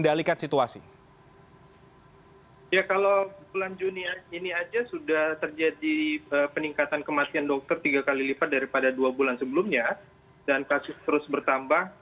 dan kasus terus bertambah